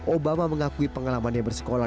obama mengakui pengalaman yang bersekolah